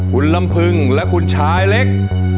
คุณลำพึงและคุณชายเล็ก